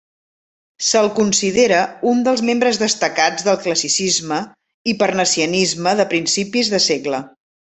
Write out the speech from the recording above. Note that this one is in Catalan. Se'l considera un dels membres destacats del classicisme i parnassianisme de principis de segle.